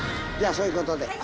じゃあそういうことで。